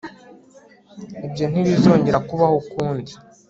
ibyo ntibizongera kubaho ukundi